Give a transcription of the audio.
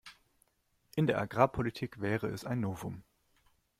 In der Agrarpolitik wäre es ein Novum.